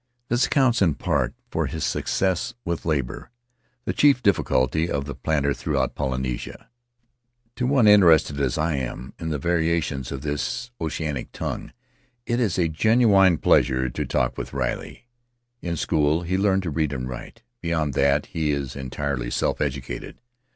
This accounts in part for his success with labor — the chief difficulty of the planter throughout Polynesia. To one interested as I am in the variations of this oceanic tongue, it is a genuine pleasure to talk with Riley. In school he learned to read and write; beyond that he is entirely self educated.